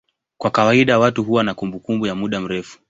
Kwa kawaida watu huwa na kumbukumbu ya muda mrefu.